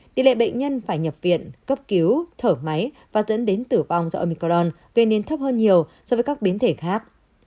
tỷ lệ bệnh nhân phải nhập viện cấp cứu thở máy và dẫn đến tử vong do amicorn gây nên thấp hơn nhiều so với các biến thể khác